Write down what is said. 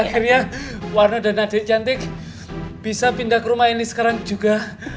akhirnya warna dan adik cantik bisa pindah ke rumah ini sekarang juga